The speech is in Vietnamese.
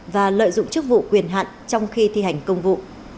và lợi dụng chức vụ quyền hạn trong khi thi hành công vụ